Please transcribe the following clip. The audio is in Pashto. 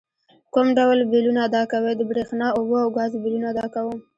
کوم ډول بیلونه ادا کوئ؟ د بریښنا، اوبو او ګازو بیلونه ادا کوم